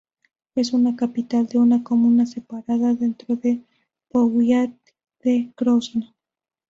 Es una capital de una comuna separada dentro del powiat de Krosno.